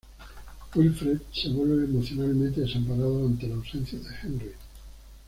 Wilfred se vuelve emocionalmente desamparado ante la ausencia de Henry.